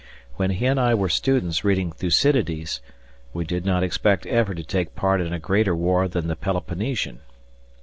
When he and I were students reading Thucydides, we did not expect ever to take part in a greater war than the Peloponnesian.